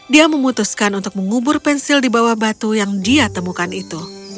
dia memutuskan untuk mengubur pensil di bawah batu yang dia temukan itu